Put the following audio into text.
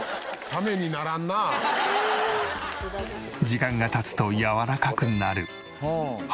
時間が経つとやわらかくなる。